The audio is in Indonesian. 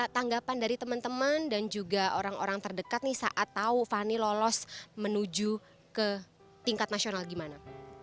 tanggapan dari teman teman dan juga orang orang terdekat nih saat tahu fani lolos menuju ke tingkat nasional gimana